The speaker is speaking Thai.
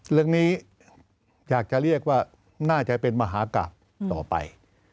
เรื่องนี้อยากจะเรียกว่าน่าจะเป็นมหากราบต่อไป